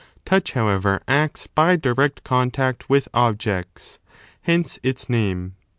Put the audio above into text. "Touch, however, acts by direct contact with objects: hence its name.